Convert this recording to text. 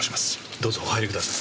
どうぞお入りください。